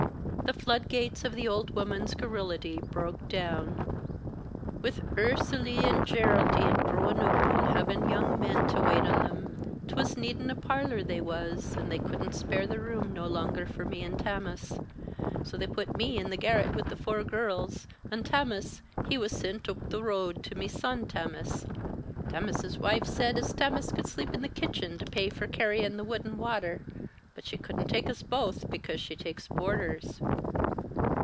The flood gates of the old woman's garrulity broke down. "With Ursuly an' Ger r aldine growin' oop an' havin' young min to wait on thim, 'twas needin' a parlor they was, an' they couldn't spare the room no longer for me'n Tammas. So they put me in the garret with the four gurrls, an' Tammas, he was sint oop the road to me son Tammas. Tammas's wife said as Tammas could sleep in the kitchen to pay for carryin' the wood an' watter, but she couldn't take us both because she takes boarders."